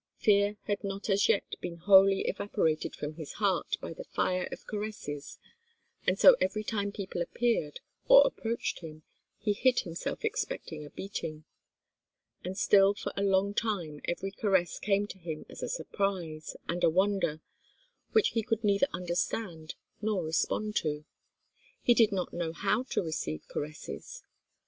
Fear had not as yet been wholly evaporated from his heart by the fire of caresses, and so every time people appeared, or approached him, he hid himself expecting a beating. And still for a long time every caress came to him as a surprise, and a wonder, which he could neither understand, nor respond to. He did not know how to receive caresses.